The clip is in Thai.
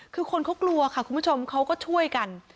คือคนเขากลัวค่ะคุณผู้ชมเขาก็ช่วยกัน